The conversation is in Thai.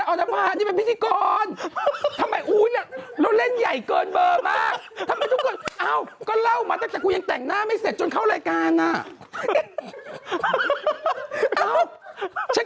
ก็นี่เขียนเป็นชื่อเลย